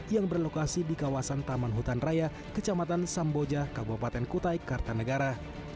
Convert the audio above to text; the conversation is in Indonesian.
yang berlokasi di kawasan taman hutan raya kecamatan samboja kabupaten kutai kartanegara